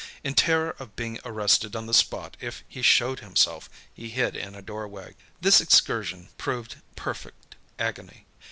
In terror of being arrested on the spot if he showed himself, he hid in a doorway. This excursion proved perfect agony.